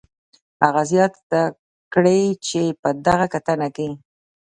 هغه زیاته کړې چې په دغه کتنه کې